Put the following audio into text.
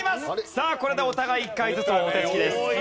さあこれでお互い１回ずつお手つきです。